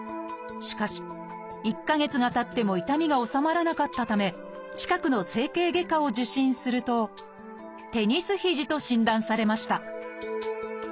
しかし１か月がたっても痛みが治まらなかったため近くの整形外科を受診すると「テニス肘」と診断されました。